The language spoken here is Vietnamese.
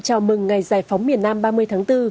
chào mừng ngày giải phóng miền nam ba mươi tháng bốn